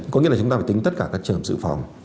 có nghĩa là chúng ta phải tính tất cả các trường hợp dự phòng